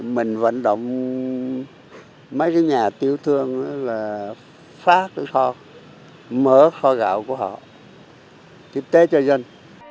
mình vận động mấy cái nhà tiểu thương là phát cái kho mở kho gạo của họ tiếp tế cho dân